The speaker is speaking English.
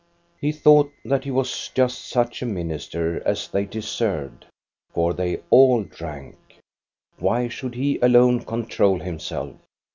He thought that he was just such a minister as they deserved. For they all drank. Why should he alone control himself?